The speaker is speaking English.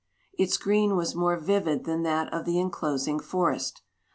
Its green was more vivid than that of the inclosing forest.